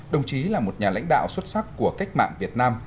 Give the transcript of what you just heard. đồng chí là một nhà lãnh đạo xuất sắc của cách mạng việt nam